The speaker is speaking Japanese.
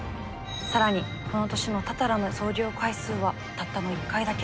更にこの年のたたらの操業回数はたったの１回だけ。